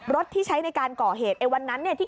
ที่ใช้ในการก่อเหตุไอ้วันนั้นเนี่ยที่